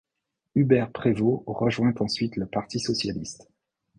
Hubert Prévôt rejoint ensuite le Parti socialiste.